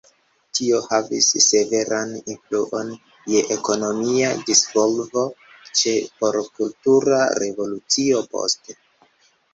Tio havis severan influon je ekonomia disvolvo, ĉe por Kultura Revolucio poste.